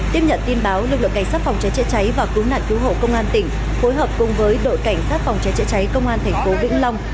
tiếp nhận tin báo lực lượng cảnh sát phòng cháy chữa cháy và cứu nạn cứu hộ công an tỉnh phối hợp cùng với đội cảnh sát phòng cháy chữa cháy công an thành phố vĩnh long